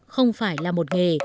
không phải là một nghề